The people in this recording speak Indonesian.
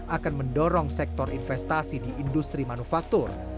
akan mendorong sektor investasi di industri manufaktur